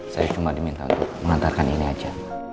saya cuma diminta untuk mengantarkan ini aja